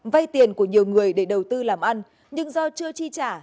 vay tiền của nhiều người để đầu tư làm ăn nhưng do chưa chi trả